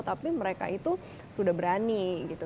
tapi mereka itu sudah berani gitu